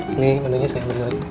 ini menu nya saya beli lagi